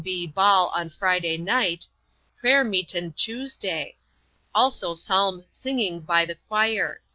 B. bawl on friday nite prayer meetin chuesday also salme singing by the quire."